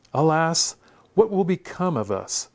Alas, what will become of us?